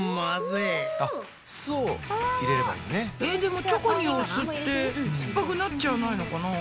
えっでもチョコにお酢ってすっぱくなっちゃわないのかな？